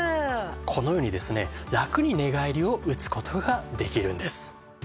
このようにですねラクに寝返りを打つ事ができるんです。